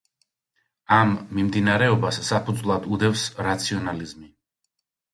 ამ მიმდინარეობას საფუძვლად უდევს რაციონალიზმი.